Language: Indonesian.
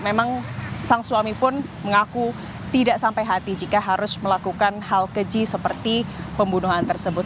memang sang suami pun mengaku tidak sampai hati jika harus melakukan hal keji seperti pembunuhan tersebut